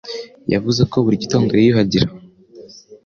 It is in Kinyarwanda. Yavuze ko buri gitondo yiyuhagira.